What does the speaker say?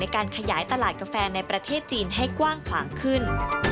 การขยายตลาดกาแฟในประเทศจีนให้กว้างขวางขึ้น